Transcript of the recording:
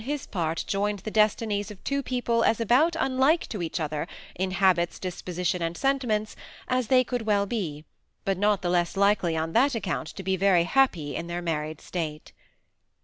366 his part joined the destinies of two people about as unlike to each other, in habits, dispositions, and senti ments, as they could well be ; but not the less likely on that account to be very happy in their married state.